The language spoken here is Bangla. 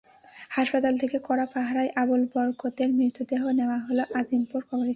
হাসপাতাল থেকে কড়া পাহারায় আবুল বরকতের মৃতদেহ নেওয়া হলো আজিমপুর কবরস্থানে।